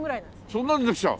そんなのでできちゃう？